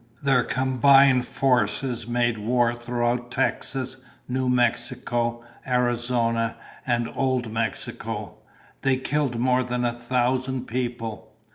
Their combined forces made war throughout Texas, New Mexico, Arizona, and Old Mexico. They killed more than a thousand people.